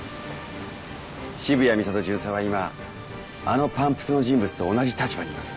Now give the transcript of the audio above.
渋谷美里巡査は今あのパンプスの人物と同じ立場にいます。